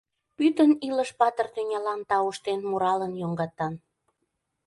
Пӱтынь илыш патыр тӱнялан Тауштен муралын йоҥгатан…